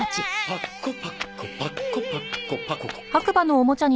パッコパッコパッコパッコパココッコ。